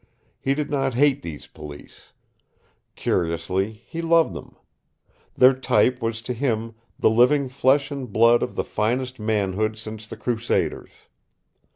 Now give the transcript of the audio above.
He did not hate these police. Curiously, he loved them. Their type was to him the living flesh and blood of the finest manhood since the Crusaders.